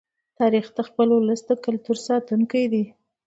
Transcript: تاریخ د خپل ولس د کلتور ساتونکی دی.